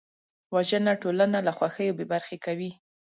وژنه ټولنه له خوښیو بېبرخې کوي